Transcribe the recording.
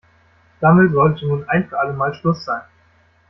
Damit sollte nun ein für alle Mal Schluss sein.